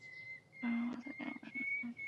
His father was a general practitioner.